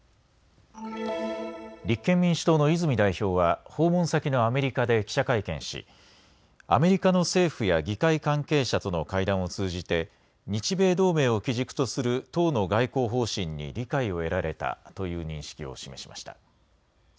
立憲民主党の泉代表は訪問先のアメリカで記者会見しアメリカの政府や議会関係者との会談を通じて日米同盟を基軸とする党の外交方針に理解を得られたという認識を示しました。